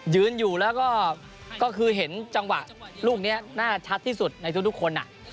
ยืนอยู่แล้วก็คือเห็นจังหวะลูกนี้น่าชัดที่สุดในทุกคน